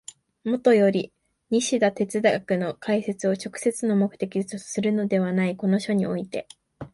もとより西田哲学の解説を直接の目的とするのでないこの書において、